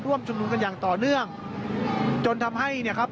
ชุมนุมกันอย่างต่อเนื่องจนทำให้เนี่ยครับ